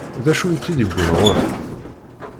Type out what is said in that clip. D acu i tt-id-iwwin ɣur-i?